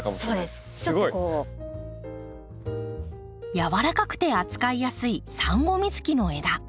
やわらかくて扱いやすいサンゴミズキの枝。